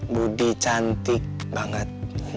budi cantik banget